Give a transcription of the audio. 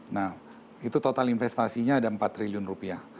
nah itu total investasinya ada empat triliun rupiah